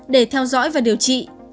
để theo dõi và điều trị